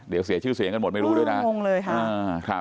เดี๋ยวเสียชื่อเสียงกันหมดไม่รู้ด้วยนะงงเลยค่ะ